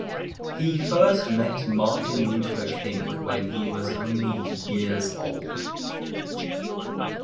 He first met Martin Luther King when he was only years old.